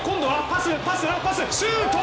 シュート！